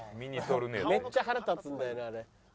めっちゃ腹立つんだよ